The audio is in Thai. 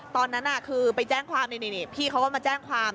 ตอนนั้นคือไปแจ้งความนี่พี่เขาก็มาแจ้งความ